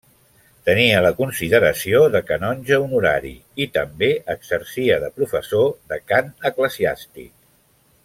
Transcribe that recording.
Tenia la consideració de canonge honorari, i també exercia de professor de cant eclesiàstic.